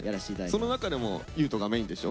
その中でも優斗がメインでしょ？